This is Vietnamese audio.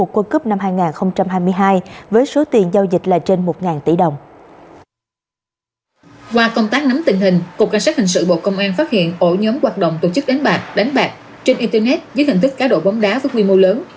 qua công tác nắm tình hình cục cảnh sát hình sự bộ công an phát hiện ổ nhóm hoạt động tổ chức đánh bạc đánh bạc trên internet dưới hình thức cá độ bóng đá với quy mô lớn